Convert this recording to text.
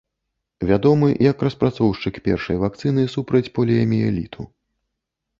Вядомы як распрацоўшчык першай вакцыны супраць поліяміэліту.